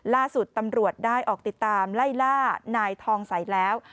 ล่าสุดตำรวจได้ออกติดตามไล่ล่านายทองใสแล้ว